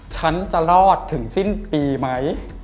ฉันจะรอดถึงสิ้นปีไหม